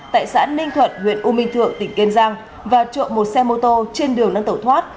tại xã ninh thuận huyện u minh thượng tỉnh kiên giang và trộm một xe mô tô trên đường năng tẩu thoát